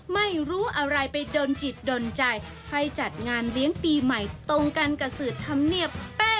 ไม่รู้อะไรไปดนจิตดนใจให้จัดงานเลี้ยงปีใหม่ตรงกันกับสื่อธรรมเนียบ